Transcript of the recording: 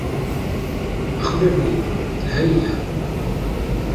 أخبرني، هيا.